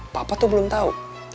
papa tuh belum tau